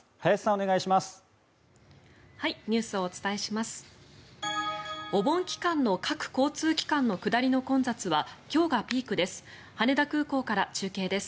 お盆期間の各交通機関の下りの混雑は今日がピークです。